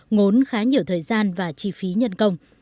ngốn khá nhiều thời gian và chi phí nhân công